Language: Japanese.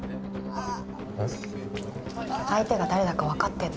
ああ？